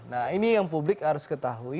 nah ini yang publik harus ketahui